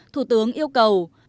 thủ tướng yêu cầu